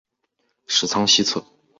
十仓西侧。